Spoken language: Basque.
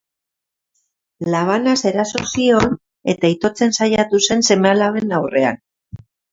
Labanaz eraso zion eta itotzen saiatu zen seme-alaben aurrean.